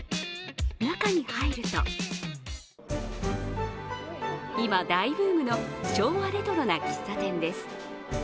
中に入ると今、大ブームの昭和レトロな喫茶店です。